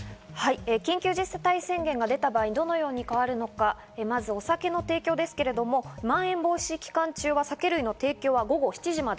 緊急事態宣言が出た場合、どのように変わるのか、まずお酒の提供ですけど、まん延防止期間中は酒類の提供は午後７時まで。